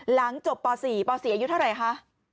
หลังจบป๔ป๔อายุเท่าไหร่คะ